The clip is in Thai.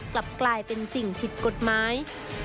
กลับกลายเป็นสิ่งผิดกฎหมาย